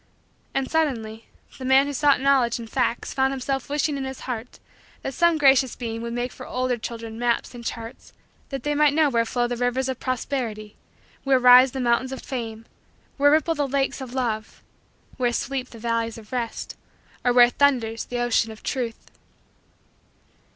And, suddenly, the man who sought Knowledge in facts found himself wishing in his heart that some gracious being would make for older children maps and charts that they might know where flow the rivers of prosperity, where rise the mountains of fame, where ripple the lakes of love, where sleep the valleys of rest, or where thunders the ocean of truth.